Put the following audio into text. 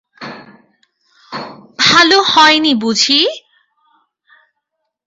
ভালো হয় নি বুঝি?